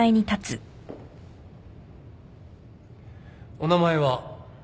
お名前は？